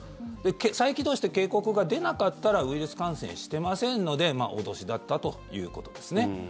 再起動して警告が出なかったらウイルス感染してませんので脅しだったということですね。